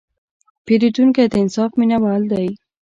پیرودونکی د انصاف مینهوال دی.